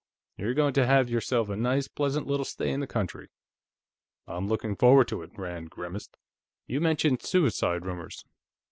You're going to have yourself a nice, pleasant little stay in the country." "I'm looking forward to it." Rand grimaced. "You mentioned suicide rumors.